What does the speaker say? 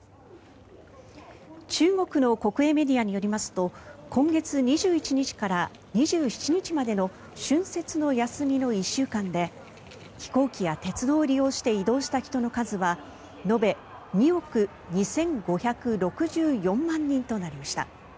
中国の国営メディアによりますと今月２１日から２７日までの春節の休みの１週間で飛行機や鉄道を利用して移動した人の数は延べ２億２５６４万人となりました。